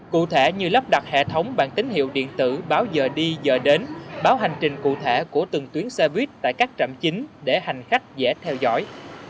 cụ thể như lắp đặt hệ thống bản tín hiệu điện tử báo giờ đi giờ đến báo hành trình cụ thể của từng tuyến xe buýt tại các trạm chính để hành khách dễ theo dõi